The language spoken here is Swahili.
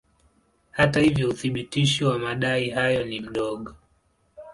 Hata hivyo uthibitisho wa madai hayo ni mdogo.